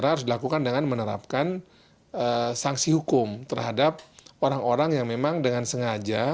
harus dilakukan dengan menerapkan sanksi hukum terhadap orang orang yang memang dengan sengaja